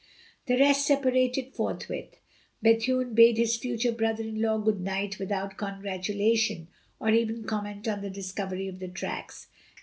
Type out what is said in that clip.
The rest separated forthwith. Bethune bade his future brother in law good night without congratulation or even comment on the discovery of the tracks.